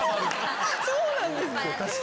そうなんですね。